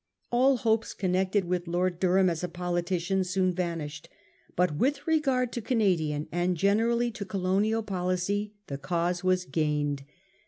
All hopes connected with Lord Durham as a politician soon vanished ; but with regard to Canadian and generally to colonial policy the cause was gained.